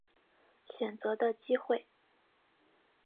选择的机会